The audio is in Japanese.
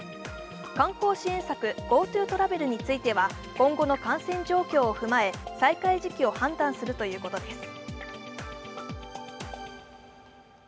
観光支援策、ＧｏＴｏトラベルについては、今後の感染状況を踏まえ再開時期を判断するということです。